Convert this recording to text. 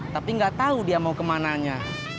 tapi nggak tau dia mau ke mananya